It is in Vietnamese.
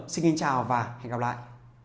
xin chào và hẹn gặp lại